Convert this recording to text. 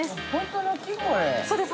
◆そうです。